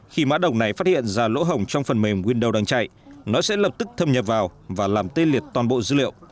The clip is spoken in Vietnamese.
khi mã đồng này phát hiện ra lỗ hỏng trong phần mềm window đang chạy nó sẽ lập tức thâm nhập vào và làm tê liệt toàn bộ dữ liệu